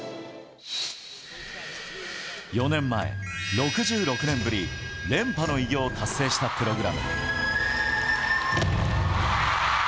４年前、６６年ぶり連覇の偉業を達成したプログラム。